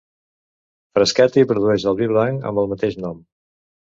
Frascati produeix el vi blanc amb el mateix nom.